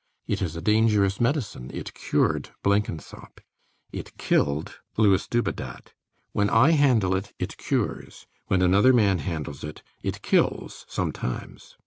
It is a dangerous medicine: it cured Blenkinsop: it killed Louis Dubedat. When I handle it, it cures. When another man handles it, it kills sometimes.